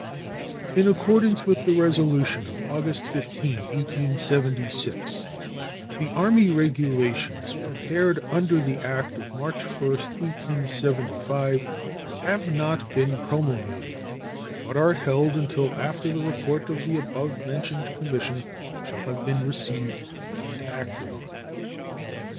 In accordance with the resolution of August 15, 1876, the Army regulations prepared under the act of March 1, 1875, have not been promulgated, but are held until after the report of the above mentioned commission shall have been received and acted on.